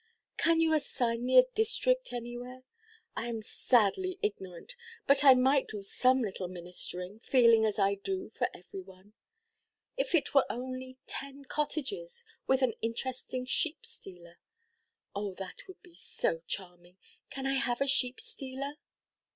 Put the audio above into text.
Could you assign me a district anywhere? I am sadly ignorant, but I might do some little ministering, feeling as I do for every one. If it were only ten cottages, with an interesting sheep–stealer! Oh, that would be so charming. Can I have a sheep–stealer?"